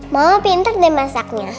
mama pinter deh masaknya